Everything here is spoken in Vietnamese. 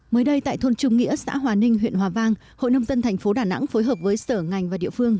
mới đây tại thôn trung nghĩa xã hòa ninh huyện hòa vang hội nông dân thành phố đà nẵng phối hợp với sở ngành và địa phương